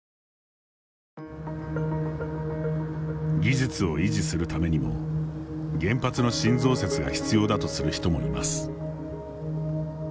技術を維持するためにも原発の新増設が必要だとする人もいます。